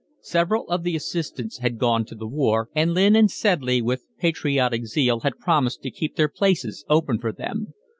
Several of the assistants had gone to the war, and Lynn and Sedley with patriotic zeal had promised to keep their places open for them.